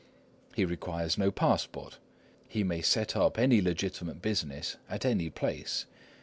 He requires no passport. He may set up any legitimate business at any place.